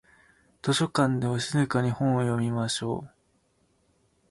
図書館では静かに本を読みましょう。